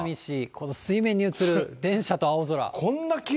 この水面に映る電車と青空。